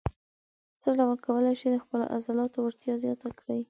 څه ډول کولای شئ د خپلو عضلاتو وړتیا زیاته کړئ.